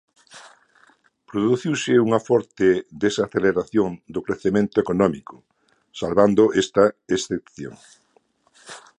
Produciuse unha forte desaceleración do crecemento económico salvando esta excepción.